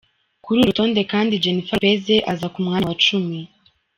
Kuri uru rutonde kandi, Jenifer Lopez aza ku mwanya wa cumi.